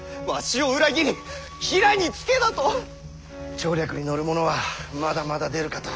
調略に乗る者はまだまだ出るかと。